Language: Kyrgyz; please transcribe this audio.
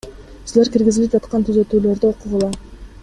Силер киргизилип жаткан түзөтүүлөрдү окугула.